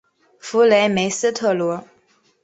弗雷梅斯特罗。